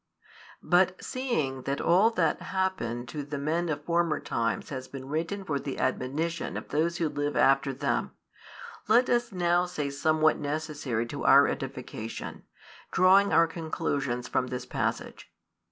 But seeing that all that happened to the men of former times has been written for the admonition of those who live after them, let us now say somewhat necessary to our edification, drawing our conclusions from this passage.